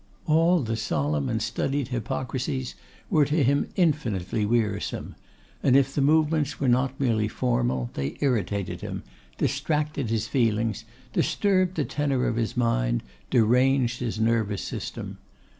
All the solemn and studied hypocrisies were to him infinitely wearisome; and if the movements were not merely formal, they irritated him, distracted his feelings, disturbed the tenor of his mind, deranged his nervous system.